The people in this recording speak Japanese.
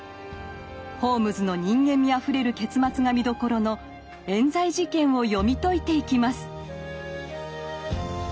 ホームズの人間味あふれる結末が見どころの「冤罪事件」を読み解いていきます。